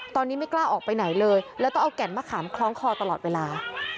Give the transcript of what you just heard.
ตอนนี้ไม่กล้าออกไปไหนเลยแล้วต้องเอาแก่นมะขามคล้องคอตลอดเวลา